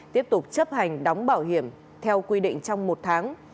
tiếp tục chấp hành đóng bảo hiểm theo quy định trong một tháng